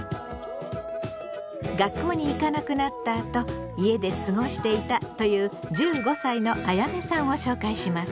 学校に行かなくなったあと家で過ごしていたという１５歳のあやねさんを紹介します。